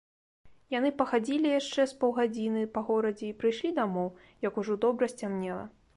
Яны пахадзілі яшчэ з паўгадзіны па горадзе і прыйшлі дамоў, як ужо добра сцямнела.